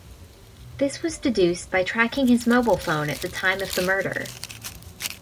This was deduced by tracking his mobile phone at the time of the murder.